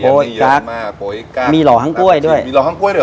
กระเทียมมีเยอะมากโป๊ยกับมีหล่อหังก้วยด้วยมีหล่อหังก้วยหรอ